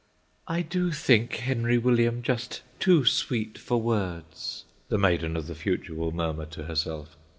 "I do think Henry William just too sweet for words," the maiden of the future will murmur to herself.